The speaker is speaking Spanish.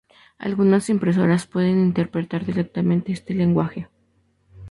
Algunas impresoras pueden interpretar directamente este lenguaje.